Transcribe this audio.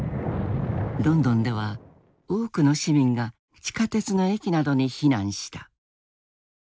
ロンドンでは多くの市民が地下鉄の駅などに避難した。